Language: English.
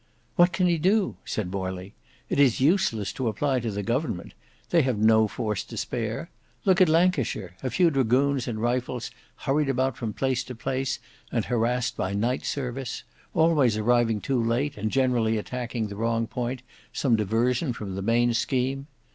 "What can he do?" said Morley. "It is useless to apply to the Government. They have no force to spare. Look at Lancashire; a few dragoons and rifles hurried about from place to place and harassed by night service; always arriving too late, and generally attacking the wrong point, some diversion from the main scheme.